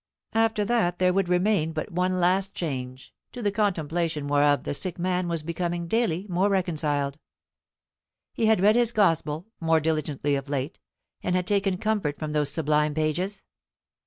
After that there would remain but one last change, to the contemplation whereof the sick man was becoming daily more reconciled. He had read his Gospel more diligently of late, and had taken comfort from those sublime pages.